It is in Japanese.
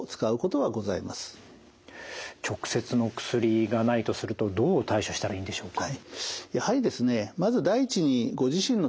直接の薬がないとするとどう対処したらいいんでしょうか？